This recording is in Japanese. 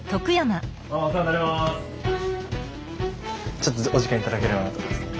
ちょっとお時間頂ければなと。